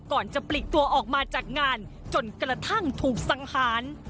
ก่อนจะปลีกตัวออกมาจากงานจนกระทั่งถูกสังหาร